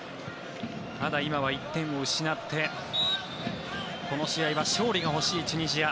ただ、今は１点を失ってこの試合は勝利が欲しいチュニジア。